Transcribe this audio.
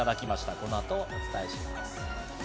この後、お伝えします。